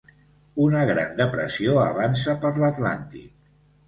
Una gran depressió avança per l'Atlàntic.